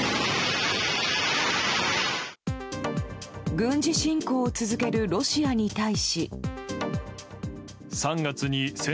軍事侵攻を続けるロシアに対し。